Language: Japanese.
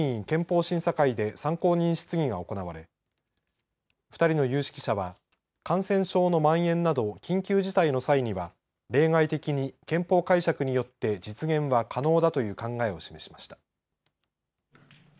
憲法審査会で参考人質疑が行われ２人の有識者は感染症のまん延など緊急事態の際には例外的に憲法解釈によって実現は可能だという考えを示しました。